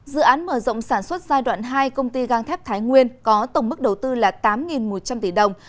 dự án mở rộng sản xuất giai đoạn hai công ty găng thép thái nguyên có tổng mức đầu tư là tám một trăm linh tỷ đồng